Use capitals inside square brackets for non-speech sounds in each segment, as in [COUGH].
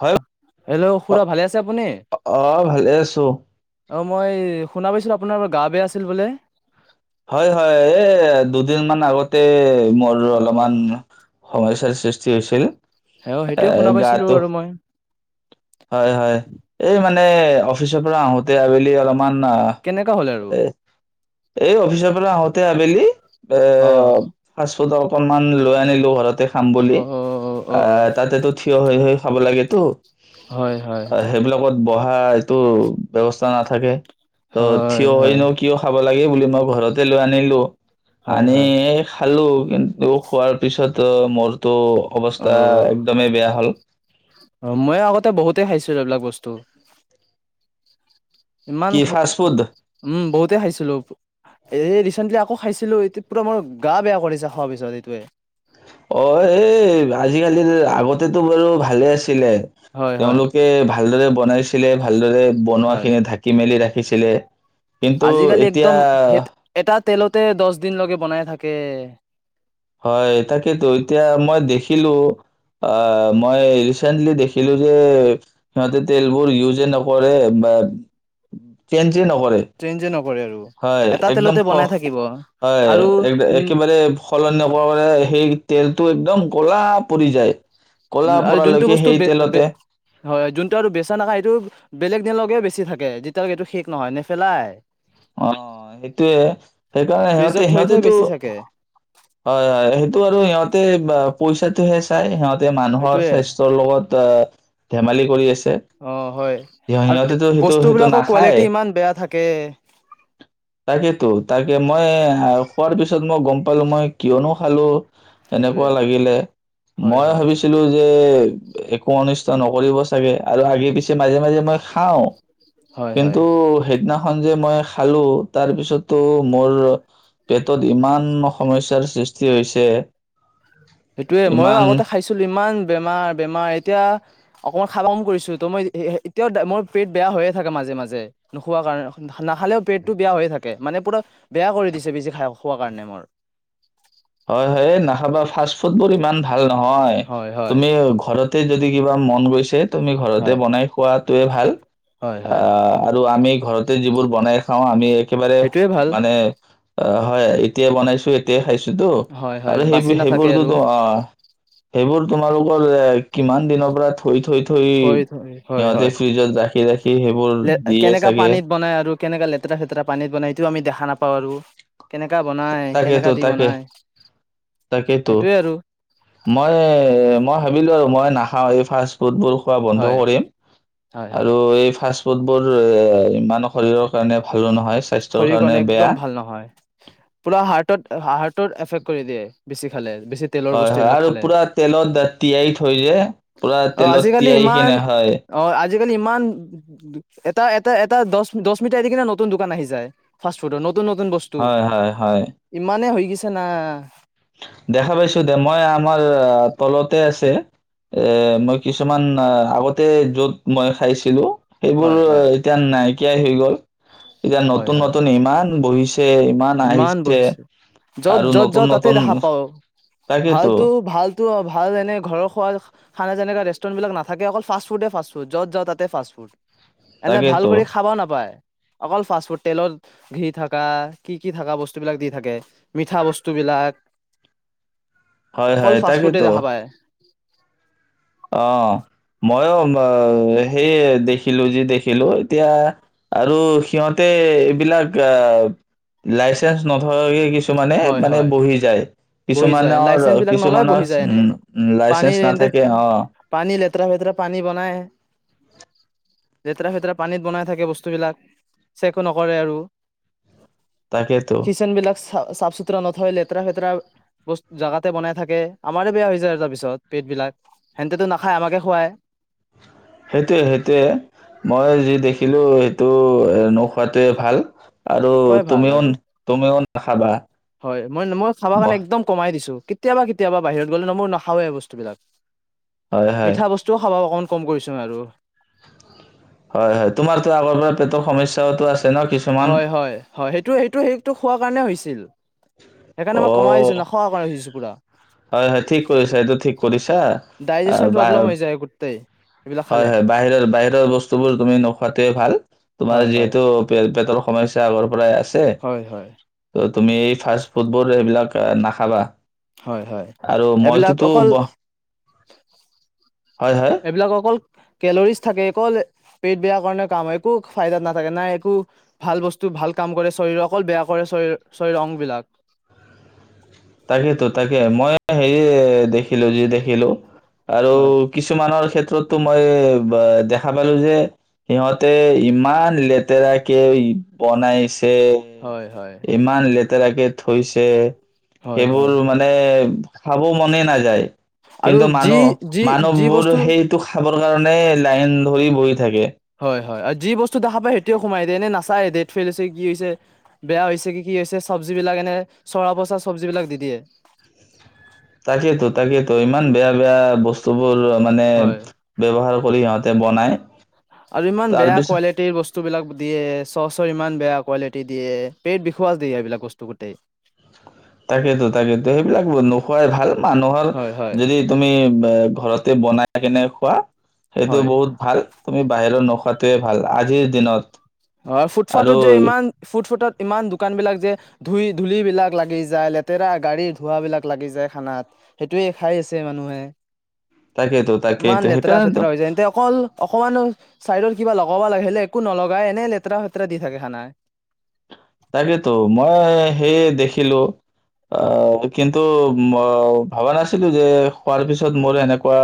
হয় হেল্ল, অ খুৰা ভালে আছে আপুনি। অ ভালে আছো অ', মই শুনা পাইছিলোঁ, আপোনাৰ বোলে গা বেয়া আছিল বোলে। হয়, হয়। এ দুদিন মান আগতে মোৰ অ অলপমান সমস্যাৰ সৃ সৃষ্টি হৈছিল। সেই অ', এ সেইটোৱে শুনা পাইছিলোঁ গাটো আৰু মই। হয়, হয়। এই মান মানে অচ অফিচৰ পৰা আহোতে, আবেলি অলপমান অহ কেনেকা হ'ল আৰু? এ এই অফিচৰ পৰা আহোঁতে, আবেলি অ এয় ফাচ ত তো, অকমান লৈ আনিলোঁ ঘৰত এতে কাম বুলি। অ অ এ তাতেতু থিয় হৈ হৈ খাব লাগে তো। হয়, হয়। সেইটো, ব্যৱস্থা নাথাকে। তো থিয় হয় ন', কিয় খাব লাগে বুলি মই ঘৰতে লৈ আনিলোঁ। হয় আনি, হয় এই খা খালো। কিন্তু খোৱাৰ পিছতো মোৰ তো অ অৱস্থা, একদমেই বেয়া হ'ল। বহুতেই খাইছো, এইবিলাক বস্তু ইমান কি খাই ফাষ্ট ফুড? উম, বহুতে খাইছিলোঁ এই ৰিচেণ্টলি আকৌ খাইছিলোঁ, এ পুৰা মোৰ গা বেয়া কৰিছে, খোৱাৰ পিছত এইটোৱে। আজিকালিৰ, আগতেতো বাৰু ভালে আছ ছিলে। হয় হয় তেওঁলোকে ভা ভালদৰে বনাইছিলে, ভালদৰে বনোৱা হয়। খিনি ঢাকি মেলি ৰাখি ৰাখিছিলে। কিন্তু আজিকালি এতিয়া একদম সেই এটা তেলতে দশ দিনলৈকে বনাই থাকে। হয়, তাকেতো, এতিয়া মই দেখিলো অ, মই ৰিচেন্টলি দেখিলো যে সিহঁতে তেলবোৰ ইউজে নকৰে বাত চে ঞ্জে নকৰে। ট্ৰেইন যে নকৰে আৰু হয়, এটা একদম তেলতে ক্ষহ বনাই থাকিব হয়, আৰু উম এক-একেবাৰে স সলনি নকৰাৰ বাবে, সেই তেলটো একদম কলা পৰি যায়। ক'লা উ আৰু যোনটো পৰালৈকে বস্তু সেই তেলতে হয় যোনটো আৰু বেচা নাখায় সটো বেলেগ এ লগগে বেছি থাকে যেতিয়ৈক এইটো শেষ নহয় নেপেলাই অ সেইটোয়ে সেইকাৰণে ফ্ৰিজত সিহতে থৈ থৈ সিহতেতটো বেচি থাকে হয় হয় সেইটো আৰু সিহঁতে বা পইচাটোহে চাই সিহঁত যাতে মানুহৰ সেইটোয়ে স্বাস্থ্যৰ লগত ধেমালি কৰি আছে অ হয় সিহ- সিহঁতেতো আৰু সেইটো বস্তু সেইটো বিলাকৰ নাখায় কোৱালিটি ইমান বেয়া থাকে তাকেতো তাকে মই খোৱাৰ পিছত মই গম পালো মই কিয়নো খালো সেইটোয়ে এনেকুৱা লাগিলে হয় মই হয় ভাবিছিলো যে একো অনিষ্ট নকৰিব চাগে আৰু আগে পিছে মাজে মাজে মই খাও হয় হয় কিন্তু সেইদিনা ম খ তাৰপিছ ম সেইটোৱে মইো ইমান আগতে খাইছিলো ইমান বেমাৰ বেমাৰ এতিয়া অকমান খাব কাম কৰিছো তো মই এতিয়াও মোৰ পেট বেয়া হৈয়ে থাকে মাজে মাজে নোখোৱা কাৰণে নাখালেও পেটটো বেয়া হৈয়ে থাকে মানে পুৰা বেয়া কৰি দিছে বেছি খাই খোৱা কাৰণে মোৰ হয় হয় নাখাবা ফাষ্ট ফুড বোৰ ইমান ভাল ভাল নহয় হয় হয় তুমি ঘৰত ততে যদি কিবা মন গৈছে তুমি ঘৰতে হয় বনাই খোৱাত টোৱে ভাল। হয় হয় অ', আৰু আমি ঘৰতে যিবোৰ বনাই খাওঁ আমি একেবাৰে সেইটোয়ে ভাল মানে অ', হয় এতিয়াই বনাইছো, এতিয়াই খাইছো। সেটো হয় হয় আৰু সেই বাচি নাথাকে সেইবোৰ আৰু য'ত অ', সেইবোৰ তোমালোকৰ এ কিমান দিনৰ পৰা থৈ থৈ থৈ, থৈ, হয়, সিহঁতে হয় ফ্ৰিজত ৰাখি ৰাখি সেইবোৰ দিয়ে কেনেকা চাগে পানীত বনাই আৰু কেনেকা লেতেৰা ফেতেৰা পানীত বনাই এইটো আমি দেখা নাপাওঁ। পাৰ তাকেইটো তাকে তাকেইটো সেইটোয়ে আৰু মই, মই ভাবিলোঁ আৰু মই নাখাওঁ এই ফাষ্ট ফুডবোৰ। খোৱা বন্ধ হয় কৰিম হয় হয় আৰু এই ফাষ্টফুড বোৰ এ ইমানৰ শৰীৰৰ কাৰণে ভালো নহয়। স্বাস্থ্যৰ শৰীৰখন কাৰণে একদম বেয়া ভাল নহয়। পুৰা হাৰ্টত, হাৰ্টৰ এফেক্ট কৰি দিয়ে, বেছি খালে। বেছি তেলৰ হয়, বস্তু হয় এইবিলাক আৰু খালে পুৰা তেলত তিয়াই থৈ যে পুৰা অ তেলত আজিকালি তিয়াই ইমান কিনে হয়। অ আজিকালি ইমান এটা, এটা, এটা দছ দছ মিটাৰ দি কিনে নতুন দোকান আহিছে। যায় ফাষ্ট ফুডত ন' নতুন, নতুন বস্তু হয় হয় হয় ইমানে হৈ গেছ বিচনা দেখা পাইছো দে মই আমাৰ তলতে আছে এ মই কিছুমান আগতে য'ত মই খাইছিলো। সেইবোৰ হয় হয় এতিয়া নাই। শকিয়াই হৈ গ'ল। এতিয়া হয় নতুন, হয় নতুন ইমান বহিছে ইমান আহিছে য'ত আৰু য'ত নতুন, যাওঁ নত তাতে দেখা পাওঁ ভালটো ভালটো ভাল এনে ঘৰৰ খোৱা খানা যেনেকা দে ষ্টুডেন্টবোৰ নাথাকে অকল ফাষ্ট ফুডে ফাষ্টফড যাওঁ তাতে ফাষ্ট ফুড। এনে ভাল তাকেতো কৰি খাব নাপায়। অকল ফাষ্ট ফুড তেলত ঘি থাকা কি কি থকা বস্তুবিলাক দি থাকে, মিঠা বস্তুবিলাক। হয়, অকল হয় ফাষ্ট ফুডে তাকেটো। দেখা পায় অ', ময়ো অ', সেয়ে দেখিলো যি দেখিলো এতিয়া আৰু সিহতে এইবিলাক লাইচেন্স অ', নথকা হয়ে কিছুমানে হয় মানে হয় বহি যায় বহি যায় কিছুমানৰ লাইচেন্স বিলাক নলয় বহি কিছুমানৰ যায় এনে উম পানী লাইচেন্ঞ্চ এন্তে নাথাকে অ পানী লেতেৰা ফেতেৰা পানী বনাই লেতেৰা ফেতেৰা পানীত বনাই থাকে বস্তুবিলাক চেকো নকৰে আৰু তাকেতো কিটচেন বিলাক চাফ চুথৰা নথয় লেতৰা ফেতৰা বস্তু জাগাতে বনাই থাকে আমাৰে বেয়া হৈ যায় আৰু তাৰপিছত পেট বিলাক সেহেন্তেটো নাখায় আমাকে খুৱায় সেইটোৱে সেইটোয়ে মই যি দেখি ছিলো সেইটো এ নোখোৱাটোৱে ভাল আৰু নোখোৱাই ভাল তুমিও আৰু তুমিও নাখাবা হয় মই মই খাবা অ কাৰণে একদম কমাই দিছো কেতিয়াবা কেতিয়াবা বাহিৰত গলে ন মই নাখাওে বস্তুবিলাক হয় হয় মিঠা বস্তুও খোৱা অকণ কম কৰিছো আৰু হয় হয় তোমাৰতো আগৰ পৰা পেটৰ সমস্যাও টো আছিল হয় হয় হয় সেইটোৱে সেইটোৱে সেইটো খোৱা কাৰণে হৈছিল সেই কাৰণে মই কমাই দিছো অ'। নাখোৱা কৰি দিছো কুকুৰা হয় হয় ঠিক কৰিছা এইটো ঠিক কৰিছা ডাইজেচন বা প্ৰব্লেম হৈ যায় গোটেই এইবিলাক হয় খালে হয় বাহিৰৰ বাহিৰৰ বস্তুবোৰ তুমি নোখোৱাটোৱে ভাল হয় তোমাৰ হয় যিহেতু পেটৰ সময় হৈছে আগৰ পৰাই হয় হয় ত তুমি এই ফ্ষ ফুটবল সেইবিলাক নাখাবা হয় হয় আৰু এইবিলাক মইতোতো অকল ব- হয় হয় এইবিলাক অকল কেলৰিজ থাকে অকল পেট বেয়া কাৰণে কাম হয় একো ফাইদাত নাথাকে নাই একো ভাল বস্তু ভাল কাম কৰে শৰীৰ অকল বেয়া কৰে শৰীৰ অংবলাক তাকেইেতো তাকে মই হেৰি দেখিলো যি দেখিলো আৰু হয় কিছুমানৰ ক্ষেত্ৰ ক্ষেত্ৰতো মই দেখা পালো যে সিহঁতে ইমান লেতেৰাক কেে বনাইছে হয় হয় ইমান ল তেৰাকে থৈছে হয় হয় সেইবোৰ মানে খাব মনেই নাযায় আৰু কিন্তু যি মানুহ যি যি মানুহবোৰ বস্তু সেইটো খাব কাৰণে লাইন ধৰি বহি থাকে হয় হয় আৰু যি বস্তু দেখা পায় সেইটোোৱে সোমাই দিয়ে এনে নাচায় ডেট ফেইল হৈছে কি হৈছে বেয়া হৈছে কি কি হৈছে চব্জ বিলাক এনে চৰা পচা চব্জ বিলাক দি দিয়ে তাকেইেতো তাকেইেতো ইমান বেয়া বেয়া বস্তু োৰ মানে হয় ব্যৱহাৰ কৰি সিহত তাতে বনায় আৰু ইমান বেয়া কোৱালিটিৰ বস্তু বিলাক দিয়ে চচৰ ইমান বেয়া কোৱালিটি দিয়ে পেট বিখোৱা যাতি এইবিলাক বস্তু গোটেই তাকেইতো তাকেইতো সেইবিলাক নোখোৱাই ভাল মানুহৰ হয় হয় যদি তুমি ঘৰত বনাই কেনে খোৱা সেইটো হয় বহুত ভাল তুমি বাহিৰত নোখোৱাটোৱে ভাল আজিৰ দিনত হয় ফুটপাঠত আৰু যে ইমান ফুট ফুটত ইমান দোকান বিলাক যে ধুই ধুলি বিলাক লাগি যায় লেতেৰা গাড়ীৰ ধোৱা বিলাক লাগি যায় খানাত সেইটোৱে খাই আছে মানুহে তাকেতো ইমান তাকেইতো লেতেৰা সেইকাৰণেতো ফেতেৰা হৈ যায় এতে অকল অকমানো চাইডত কিবা লগাব লাগিলে একো নলগাই এনে লেতেৰা ফেতেৰা দি থাকে খানা তাকেইতো মই সেইয়ে দেখিলো আহ কিন্তু ভাবা নাছিলো যে খোৱাৰ পিছত মোৰ এনেকুৱা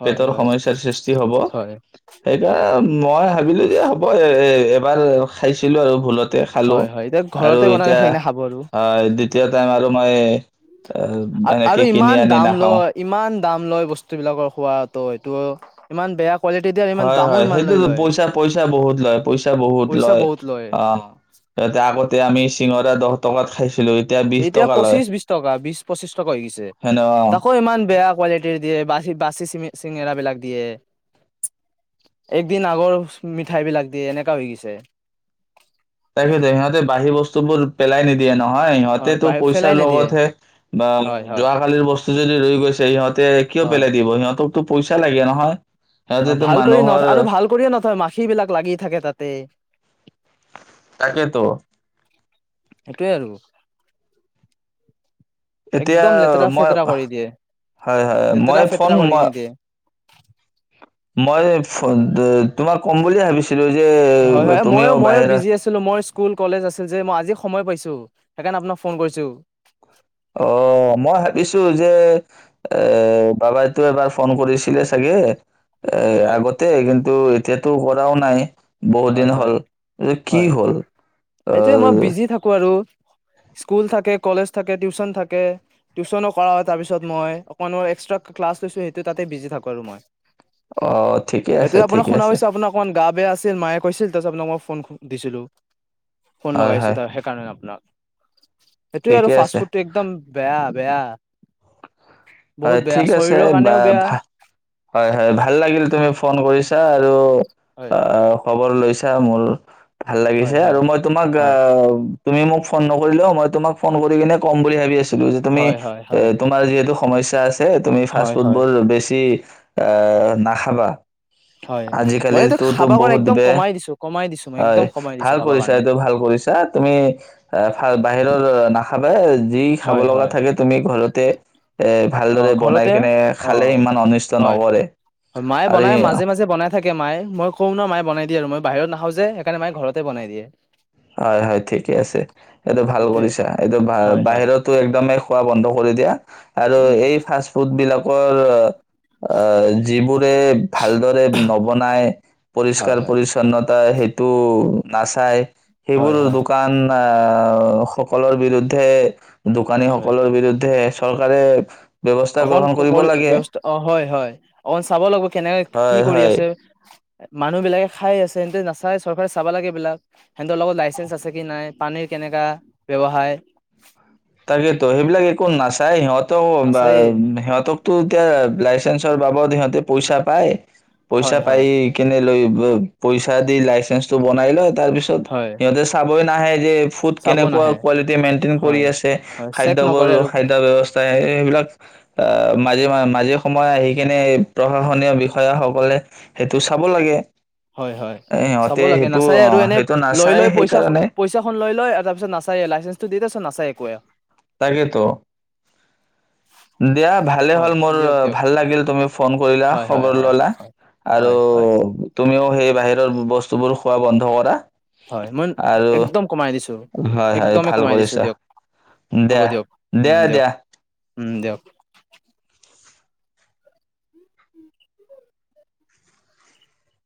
হয় পেটৰ হয়। সমস্যাৰ সৃষ্টি হ'ব হয় সেইকাৰণে মই ভাবিলো যে হ'ব এ এবাৰ খাইছো দিলো আৰু ভুলতে খালো হয় হয় এতিয়া আৰু ঘৰতে বনাই এতিয়া সেইকাৰণে খাব আৰু। অ দ্বিতীয় টাইম আৰু মান! হয়ে আৰু ইমান দাম নাখাও। লয় ইমান দাম লয় বস্তু বিলাকৰ খোৱাতো সেইটো ইমান বেয়া কোৱালিটি দিয়ে আৰু ইমান হয় দামো হয় ইমান লৈ সেইটোতো লয় পইচা পইচা বহুত লয় পইচা বহুত পইচা লয় বহুত অ তাতে আগতে আমি চিঙৰা দহ টকাত খাইছো এতিয়া পঁচিশ বিশ টকা বিশ পঁচিশ টকা হৈ গিছে হেন অ। তাকো ইমান বেয়া কোৱালিটিৰ দিয়ে বা বাচি চিনি চিঙেৰা বিলাক দিয়ে একদিন আগৰ মিঠাই বিলাক দিয়ে এনেকা হৈ গৈছে। তাৰপিছত সিহঁতে বাঢ়ী বস্তুবোৰ পেলাই নিদিয়ে নহয় হয় সিহঁতে তটো বাহিৰ ফেলাই পইচাৰ নিদিয়ে লগতহে বা হয় হয় যোৱাকালিৰ বস্তু যদি ৰৈ গৈছে সিহঁতে কিয় হয়। পেলাই দিব সিহঁতক তোক পইচা লাগে নহয়! অ সিহঁতেতো ভাল কৰি মানুহৰ নথই আৰু ভাল কৰিয়ে নথয় মাখি বিলাক লাগি থাকে তাতে! তাকেতো সেইটোৱে আৰু! এতিয়া একদম লেতেৰা মই ফেতেৰা কৰি দিয়ে হয় হয় লেতেৰা মই ফোন ফেতেৰা কৰি মই কিনে দিয়ে মই [UNINTELLIGIBLE] বুলিয়ে ভাবিছিলো যে হয় হয় মই তুমিও মই বাহিৰা বিজি আছিলো মই স্কুল কলেজ আছিল যে মই আজি সময় পাইছো সেইকাৰণে আপোনাক ফোন কৰিছোঁ। অ মই ভাবিছোঁ যে এ বাবাইটো এবাৰ ফোন কৰিছিলে চাগে এ হয় আগতে কিন্তু তেতিয়াটো কৰাও নাই! বহুত হয় দিন হ'ল, হয় অ কি হয় হ'ল, এইটোয়ে মই আহ? বিজি থাকো আৰু স্কুল থাকে কলেজ থাকে টিউচন থাকে, টিউচন কৰা হয় তাৰপিছত মই অকনু এক্স্ৰা ক্লাছ লৈছোঁ সেইটো তাতে বিজি থাকো আৰু মই। অ ঠিকে আছে সেইটোই আপোনাক ঠিকে আছে শুনাছো আপোনাৰ অকমান গা বেয়া আছিল মায়ে কৈছিল! তাৰ আপোনাক মই ফোন দিছিলো ফোন হয় লগাইছো হয় তাৰ সেইকাৰণে আপোনাক [UNINTELLIGIBLE] সেইটো আৰু ঠিকে আছে ফাষ্ট ফুডটো একদম বেয়া। বেয়া বহুত হয় বেয়া ঠিক আছে শৰীৰৰ বা কাৰণেও বেয়া ভাল, হয় হয় ভাল লাগিল তুমি ফোন কৰিছিলা। তই আৰু হয় অ খবৰ লৈছোঁ। পইচা মূৰলৈ ভাল হয় লাগিছে আৰু হয় মই তোমাক আহ হয় তুমি মোক ফোন নকৰিলেও, মই তোমাক ফোন কৰি কিনে কম বুলি ভাবি আছোঁ। যে তুমি হয় হয় এ হয় তোমাৰ যিহেতু? সমস্যা আছে। এ তুমি ফাষ্ট হয় ফুড হয় বোৰ বেছি এ নাখাবা। হয় মই এইটো আজিকালিতো খাব কাৰণে বহুত একদম বে কমাই দিছো কমাই দিছো মই হয়। একদম কমাই দিছো ভাল খাব কৰিছা কাৰণে এইটো ভাল কৰিছা। তুমি এ বাহিৰৰ না। খাবই যি খাব হয় লগা হয় থাকে তুমি ঘৰতে এ অ ভালদৰে বনাই ঘৰতে কিনে অ খালে। ইমান অনিষ্ট হয় নকৰে মায়ে আৰু বনাই মাজে মাজে বনাই থাকে মায় মই কওঁ ন মায় বনাই দিয়ে, আৰু মই বাহিৰত নাখাওঁ যে সেইকাৰণে মে ঘৰতে বনাই দিয়ে। হয় হয় ঠিকে আছে। এইটো ভাল সেইটোয়ে কৰিছাঁ এইটো হয় হয় বাহিৰতো একদমেই খোৱা বন্ধ কৰি দিয়া। আৰু উম এই ফাষ্ট ফুড বিলাক যিবোৰে ভালদৰে নবনায়, হয় পৰিষ্কাৰ হয় পৰি্ছন্নতা সেই তটো নাচাই হয় সেইবোৰ হয় দোকান আহ সকলৰ বিৰুদ্ধে দোকানী সকলৰ বিৰুদ্ধে চৰকাৰে এফ অকন কৰি ব্যৱস্থা অ হয় হয় অকণ চাব লাগিব কেনেকে কি হয় কৰি হয় আছে মানুহ বিলাকে খাই আছে সিহ নাচাই চৰকাৰে মানুহবিলাকে খাই আছে যে নাচাই চৰকাৰে চাবা লাগে এই বিলাক সিহঁতৰ লগত লাইচেন্ঞ্চ আছে কি নাই পানীৰ কেনেকা ব্যৱসায় তাইয়ত নাচায়েই বাৰু সিহঁতকো এতিয়াই চেন্ঞ্চৰ বাবদ সিঁহতে পইচা পায়। পইচা হয় পাই হয় কেনে লৈ পইচা দি লাইচেন্স টো বনাই লয় তাৰ পিছত হয় সিহঁতে চাব কৈ নাহে যে ফুড চাব কেনেকুৱা নাহে কোৱালিটি মেইনটেইন কৰি হয় আছে হয় চেক খাদ্য বোৰ নকৰে আৰু খাদ্য ব্যৱস্থাই এই সেইবিলাক আহ মাজে মাজে সময়ে এ আহি কিনে প্ৰশাসনীয় বিষয়াসকলে সেইটো চাব লাগে। হয় হয় এ, চাব সিহঁতে লাগে সেইটো নাচায় আৰু আহ, এনে সেইটো লৈ নাচায় লৈ পইচা সেইকাৰণে পইচাখন লৈ লয় আৰু তাৰ পিছত নাচায়ে লাইচেন্সটো দি তাৰ পিছত নাচায় ক তাকেতো দিয়া ভালে হয় হ'ল মোৰ দিয়ক দিয়ক ভাল লাগিল তুমি ফোন কৰিলা হয় হয় খবৰ হয় ললা আৰু হয় হয় তুমিও সেই বাহিৰৰ বস্তুবোৰ খোৱা বন্ধ কৰা হয় মই আৰু একদম কমাই দিছোঁ হয় হয় একদমেই ভাল কমাই দিছোঁ কৰিছা দিয়ক হ'ব দিয়া দিয়ক দিয়া দিয়ক দিয়া উম দিয়ক